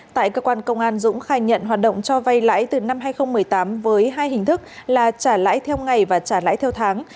tại cơ quan công an dũng khai nhận hoạt động cho vay lãi từ năm hai nghìn một mươi tám với hai hình thức là trả lãi theo ngày và trả lãi theo tháng